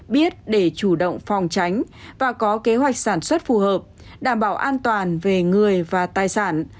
biết để chủ động phòng tránh và có kế hoạch sản xuất phù hợp đảm bảo an toàn về người và tài sản